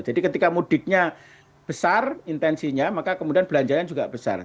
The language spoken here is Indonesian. ketika mudiknya besar intensinya maka kemudian belanjanya juga besar